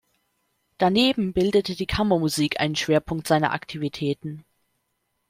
Daneben bildete die Kammermusik einen Schwerpunkt seiner Aktivitäten.